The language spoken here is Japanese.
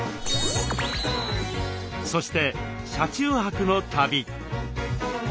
そして車中泊の旅。